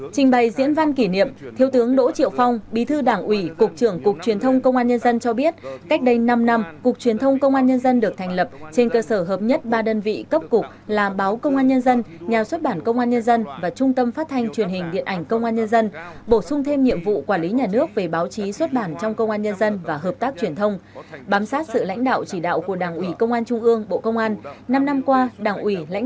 trình bày diễn văn kỷ niệm thiếu tướng đỗ triệu phong bí thư đảng ủy cục trưởng cục truyền thông công an nhân dân cho biết cách đây năm năm cục truyền thông công an nhân dân được thành lập trên cơ sở hợp nhất ba đơn vị cấp cục là báo công an nhân dân nhà xuất bản công an nhân dân và trung tâm phát thanh truyền hình điện ảnh công an nhân dân bổ sung thêm nhiệm vụ quản lý nhà nước về báo chí xuất bản trong công an nhân dân và hợp tác truyền thông bám sát sự lãnh đạo chỉ đạo của đảng ủy công an trung ương